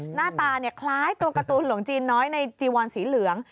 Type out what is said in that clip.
หน้าตาคล้ายตัวการ์ตูนหลวงจีนน้อยในจีวอนสีเหลือง